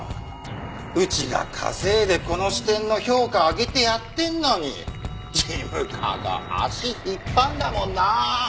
うちが稼いでこの支店の評価を上げてやってるのに事務課が足引っ張るんだもんなあ。